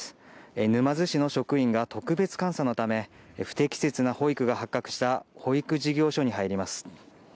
沼津市の職員が特別監査のため、不適切な保育が発覚した保育事業所に入ります。